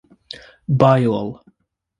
Biol.